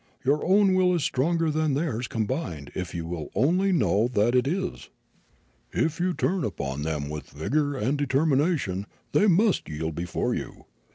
Your own will is stronger than all theirs combined if you will only know that it is; if you turn upon them with vigor and determination they must yield before you.